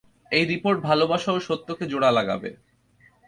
এই রিপোর্ট ভালোবাসা ও সত্যকে জোড়া লাগাবে।